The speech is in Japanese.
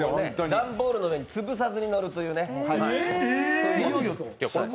段ボールの上に、潰さずに乗るというね。